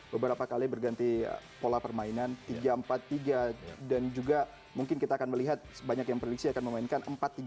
beberapa kali berganti pola permainan tiga empat tiga dan juga mungkin kita akan melihat banyak yang prediksi akan memainkan empat tiga